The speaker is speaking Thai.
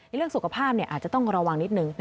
เรื่องสุขภาพอาจจะต้องระวังนิดนึง